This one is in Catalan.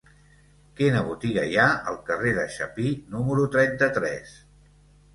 Quina botiga hi ha al carrer de Chapí número trenta-tres?